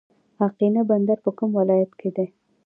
اقینه بندر په کوم ولایت کې دی؟